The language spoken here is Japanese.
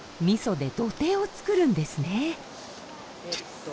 みそで土手を作るんですね。